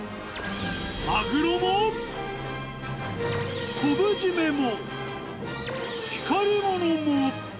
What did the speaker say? マグロも、昆布締めも、光りものも。